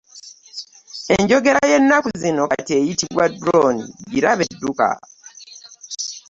Enjogera y'ennaku zino kati eyitibwa "Drone girabe dduka."